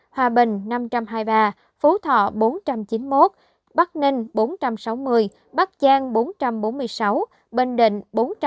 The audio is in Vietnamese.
hòa bình năm trăm hai mươi ba phú thọ bốn trăm chín mươi một bắc ninh bốn trăm sáu mươi bắc giang bốn trăm bốn mươi sáu bình định bốn trăm linh